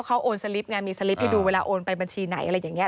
เขาโอนสลิปไงมีสลิปให้ดูเวลาโอนไปบัญชีไหนอะไรอย่างนี้